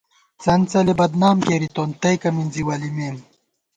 څنڅَلےبدنام کېرِتون ، تئیکہ مِنزی ولِمېم